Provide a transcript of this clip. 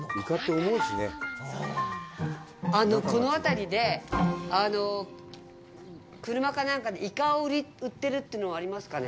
この辺りで車かなんかでイカを売ってるというのありますかね。